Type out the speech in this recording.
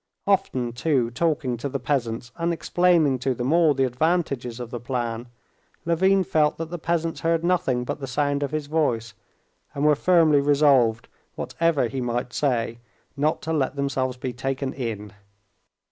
Often, too, talking to the peasants and explaining to them all the advantages of the plan, Levin felt that the peasants heard nothing but the sound of his voice, and were firmly resolved, whatever he might say, not to let themselves be taken in.